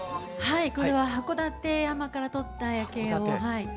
これは函館山から撮った夜景をはい。